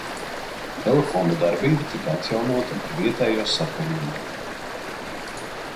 Telefona darbība tika atjaunota ar vietējo sakaru nodaļu.